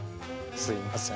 すいません